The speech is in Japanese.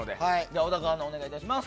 小高アナ、お願いします。